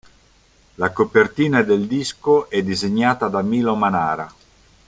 La copertina del disco è disegnata da Milo Manara.